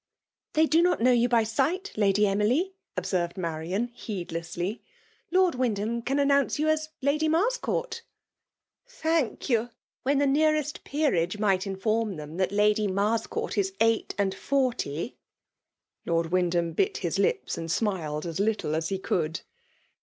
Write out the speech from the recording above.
" They do not know you by sigfat>^ Litdy EmiDy/' observed Marian heedlessly. *' Lord Wyndham can announce you as. Lady Mars* court." FJSiAXiB DOMZNATI09; 297 ^ Thank you! when die nearest peeragii might inform them that Lady Marseoart i» eight and forty !" Lord Wyndham bit his lips, and smiled as litde as he could.